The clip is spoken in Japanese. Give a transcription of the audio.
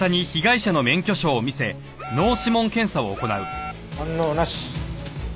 反応なし。